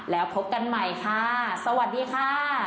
แล้วพบกันใหม่ค่ะสวัสดีค่ะ